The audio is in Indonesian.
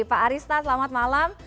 pak arista selamat malam